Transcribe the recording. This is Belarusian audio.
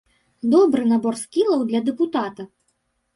Добры набор скілаў для дэпутата!